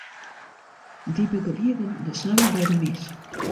Dy begelieden de sang by de mis.